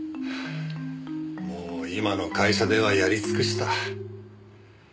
もう今の会社ではやり尽くした。